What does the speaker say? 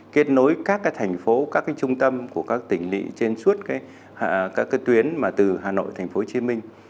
kết nối các thành phố các trung tâm của các tỉnh lị trên suốt các tuyến từ hà nội tp hcm